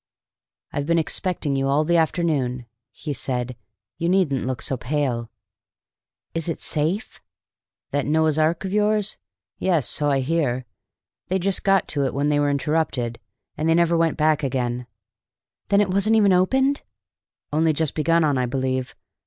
"I've been expecting you all the afternoon," said he. "You needn't look so pale." "Is it safe?" "That Noah's Ark of yours? Yes, so I hear; they'd just got to it when they were interrupted, and they never went back again." "Then it wasn't even opened?" "Only just begun on, I believe."